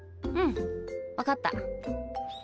うん分かった。